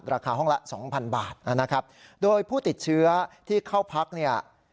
ราคาห้องละสองพันบาทนะครับโดยผู้ติดเชื้อที่เข้าพักเนี่ย